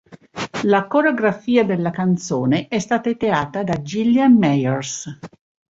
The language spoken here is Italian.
La coreografia della canzone è stata ideata da Jillian Meyers.